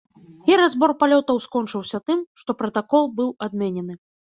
І разбор палётаў скончыўся тым, што пратакол быў адменены.